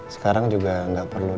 sekarang juga gak perlu